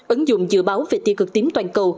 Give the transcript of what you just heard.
ứng dụng dự báo về tiêu cực tím toàn cầu